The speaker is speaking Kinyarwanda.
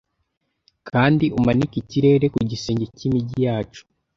kandi umanike ikirere ku gisenge cy'imijyi yacu